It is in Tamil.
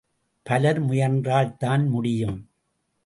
பலர் முயன்றால் தான் முடியும்.